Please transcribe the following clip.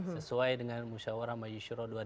sesuai dengan musyawarah majusyuro dua ribu lima belas